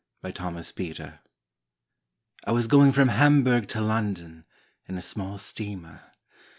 ON THE SEA I WAS going from Hamburg to London in a small steamer.